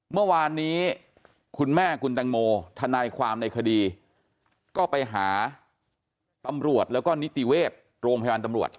เมื่อวานนี้คุณแม่คุณแตงโมทนายความในคดีก็ไปหาตำรวจแล้วก็นิติเวชโรงพยาบาลตำรวจ